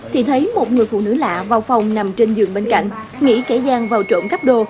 thì thấy một người phụ nữ lạ vào phòng nằm trên giường bên cạnh nghĩ kẻ gian vào trộm cắp đô